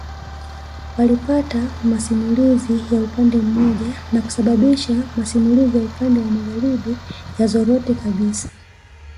Walipata masimulizi ya upande mmoja na kusababisha masimulizi ya upande wa magharibi yazorote kabisa